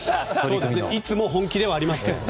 いつも本気ではありますけど。